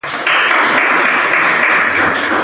هیواد مې د نیکو خلکو کور دی